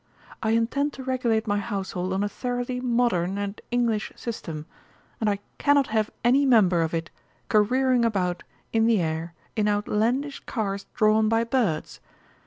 I intend to regulate my household on a thoroughly modern and English system, and I cannot have any member of it careering about in the air in outlandish cars drawn by birds.